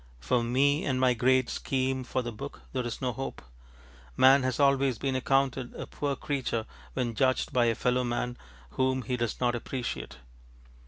For me and my great scheme for the book there is no hope. Man has always been accounted a poor creature when judged by a fellow man whom he does not appreciate.